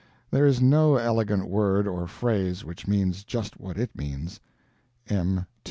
There is no elegant word or phrase which means just what it means. M.